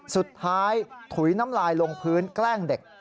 สุดท้ายถุยน้ำลายลงพื้นแกล้งเด็ก